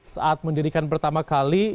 saat mendirikan pertama kali